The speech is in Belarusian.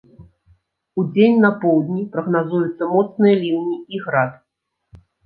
Удзень на поўдні прагназуюцца моцныя ліўні і град.